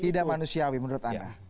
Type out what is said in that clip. tidak manusiawi menurut anda